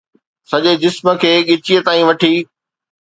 سڄي جسم کي ڳچيء تائين وٺي